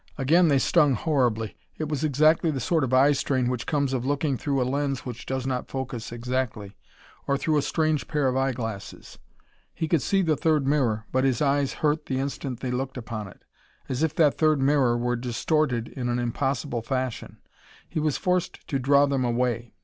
Again they stung horribly. It was exactly the sort of eye strain which comes of looking through a lens which does not focus exactly, or through a strange pair of eyeglasses. He could see the third mirror, but his eyes hurt the instant they looked upon it, as if that third mirror were distorted in an impossible fashion. He was forced to draw them away.